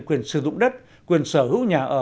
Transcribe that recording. quyền sử dụng đất quyền sở hữu nhà ở